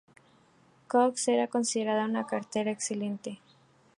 Cox era considerada una cartera excelente.